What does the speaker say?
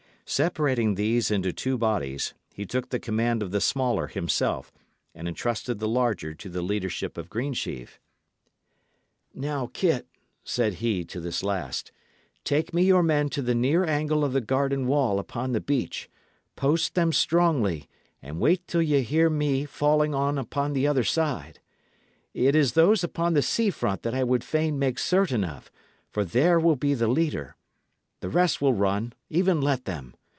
Separating these into two bodies, he took the command of the smaller himself, and entrusted the larger to the leadership of Greensheve. "Now, Kit," said he to this last, "take me your men to the near angle of the garden wall upon the beach. Post them strongly, and wait till that ye hear me falling on upon the other side. It is those upon the sea front that I would fain make certain of, for there will be the leader. The rest will run; even let them.